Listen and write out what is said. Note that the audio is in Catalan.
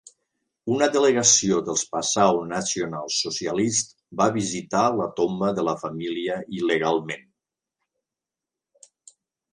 Una delegació dels Passau National Socialists va visitar la tomba de la família il·legalment.